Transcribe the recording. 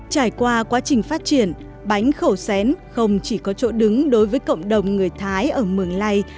trải qua quá trình phát triển bánh khẩu xén không chỉ có chỗ đứng đối với cộng đồng người thái ở mường lây